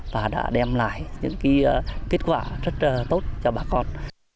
và đã đem lại những kết quả rất tốt cho bà con